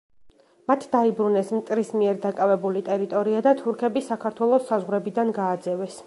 მათ დაიბრუნეს მტრის მიერ დაკავებული ტერიტორია და თურქები საქართველოს საზღვრებიდან გააძევეს.